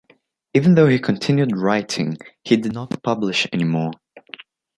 Even though he continued writing, he did not publish anymore.